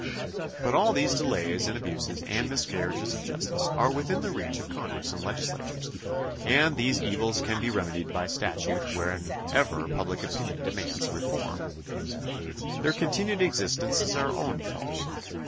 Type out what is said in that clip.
But all these delays and abuses and miscarriages of justice are within the reach of Congress and legislatures, and these evils can be remedied by statute whenever public opinion demands a reform. Their continued existence is our own fault.